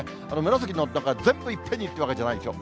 紫の所が全部いっぺんにというわけじゃないんですよ。